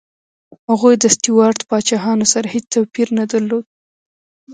هغوی د سټیوراټ پاچاهانو سره هېڅ توپیر نه درلود.